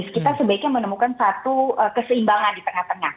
kita sebaiknya menemukan satu keseimbangan di tengah tengah